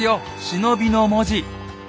「忍」の文字！